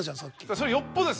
それよっぽどです